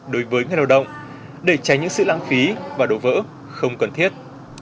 đối với người lao động để tránh những sự lãng phí và đổ vỡ không cần thiết